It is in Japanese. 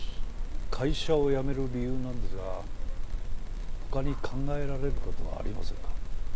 会社を辞める理由なんですが他に考えられる事はありませんか？